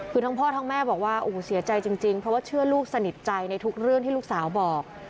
คือทั้งพ่อทั้งแม่บอกว่าโอ้โหเสียใจจริงเพราะว่าเชื่อลูกสนิทใจในทุกเรื่องที่ลูกสาวบอก